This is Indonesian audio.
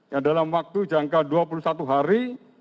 yang dalam waktu jangka dua puluh satu hari